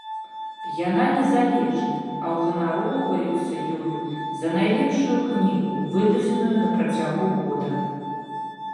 Яна незалежная, а ўганароўваюцца ёю за найлепшую кнігу, выдадзеную на працягу года.